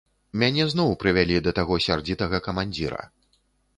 Мяне зноў прывялі да таго сярдзітага камандзіра.